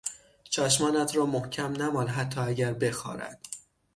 چشمانت را محکم نمال حتی اگر بخارد.